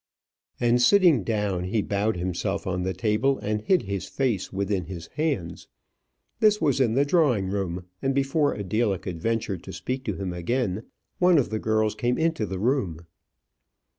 And sitting down, he bowed himself on the table, and hid his face within his hands. This was in the drawing room, and before Adela could venture to speak to him again, one of the girls came into the room.